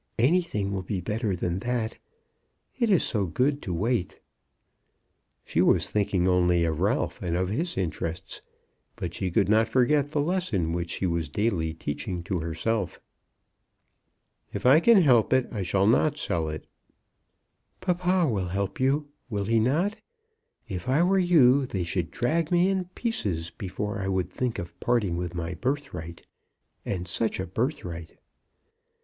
Anything will be better than that. It is so good to wait." She was thinking only of Ralph, and of his interests, but she could not forget the lesson which she was daily teaching to herself. "If I can help it, I shall not sell it." "Papa will help you; will he not? If I were you they should drag me in pieces before I would part with my birthright; and such a birthright!"